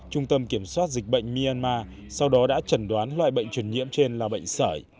trung tâm kiểm soát dịch bệnh myanmar sau đó đã chẩn đoán loại bệnh truyền nhiễm trên là bệnh sởi